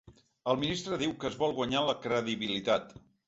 El ministre diu que es vol guanyar la credibilitat.